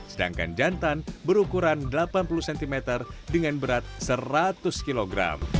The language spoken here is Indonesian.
sedangkan jantan berukuran delapan puluh cm dengan berat seratus kg